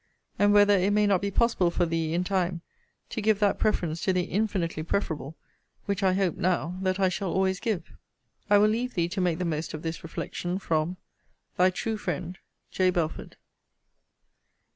And whether it may not be possible for thee, in time, to give that preference to the infinitely preferable, which I hope, now, that I shall always give? I will leave thee to make the most of this reflection, from Thy true friend, J. BELFORD.